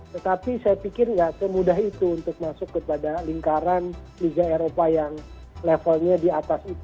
tetapi saya pikir nggak semudah itu untuk masuk kepada lingkaran liga eropa yang levelnya di atas itu